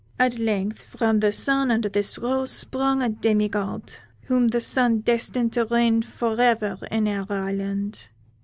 At length, from the Sun and this rose sprung a demi god, whom the Sun destined to reign for ever in our island.